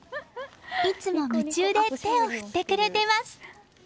いつも夢中で手を振ってくれています。